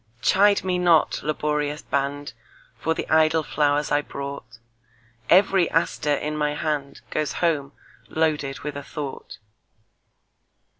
Chide me not, laborious band, For the idle flowers I brought; Every aster in my handGoes home loaded with a thought.